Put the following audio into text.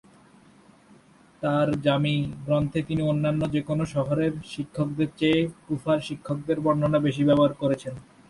তার "জামি" গ্রন্থে তিনি অন্যান্য যেকোন শহরের শিক্ষকদের চেয়ে কুফার শিক্ষকদের বর্ণনা বেশি ব্যবহার করেছেন।